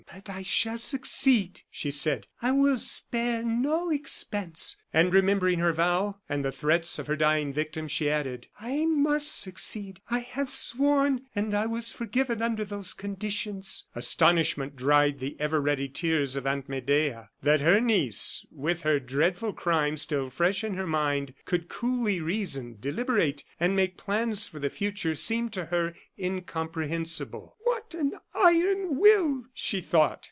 "But I shall succeed," she said. "I will spare no expense." And remembering her vow, and the threats of her dying victim, she added: "I must succeed. I have sworn and I was forgiven under those conditions." Astonishment dried the ever ready tears of Aunt Medea. That her niece, with her dreadful crime still fresh in her mind, could coolly reason, deliberate, and make plans for the future, seemed to her incomprehensible. "What an iron will!" she thought.